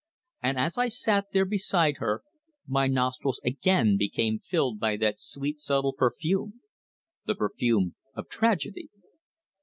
And as I sat there beside her, my nostrils again became filled by that sweet subtle perfume the perfume of tragedy.